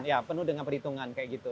ya penuh dengan perhitungan kayak gitu